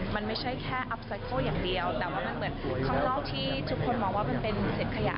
มันไม่ใช่แค่อัพไซโคลอย่างเดียวแต่ว่ามันเหมือนข้างนอกที่ทุกคนมองว่ามันเป็นเศษขยะ